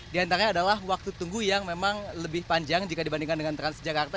di antara adalah waktu tunggu yang memang lebih panjang jika dibandingkan dengan transjakarta